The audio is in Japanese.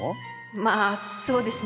まあそうですね。